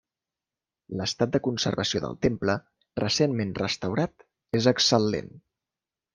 L'estat de conservació del temple, recentment restaurat, és excel·lent.